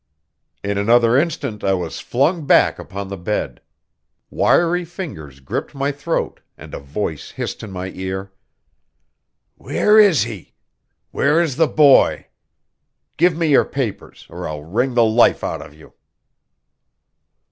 In another instant I was flung back upon the bed. Wiry fingers gripped my throat, and a voice hissed in my ear: "Where is he? Where is the boy? Give me your papers, or I'll wring the life out of you!"